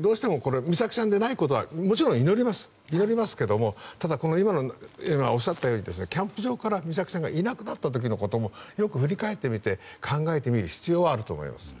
どうしても美咲さんでないことをもちろん祈りますけれどもただ、今おっしゃったようにキャンプ場から美咲さんがいなくなった時のこともよく振り返ってみて考えてみる必要はあると思います。